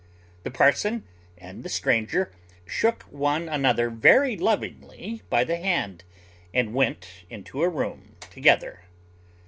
The parson and the stranger shook one another very lovingly by the hand, and went into a room together.